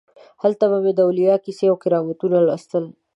هلته به مې د اولیاو کیسې او کرامتونه لوستل.